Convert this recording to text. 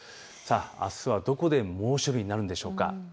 あすはどこで猛暑日になるんでしょうか。